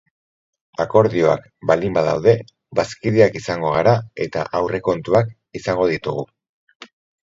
Akordioak baldin badaude, bazkideak izango gara eta aurrekontuak izango ditugu.